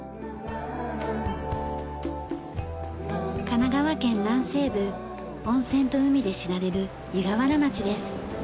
神奈川県南西部温泉と海で知られる湯河原町です。